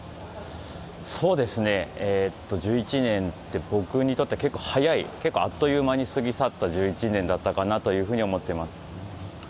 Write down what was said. そうですね、１１年って僕にとっては結構早い、結構あっという間に過ぎ去った１１年間だったなと思ってます。